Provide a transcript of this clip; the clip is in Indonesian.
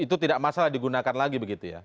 itu tidak masalah digunakan lagi begitu ya